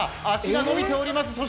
足が伸びております。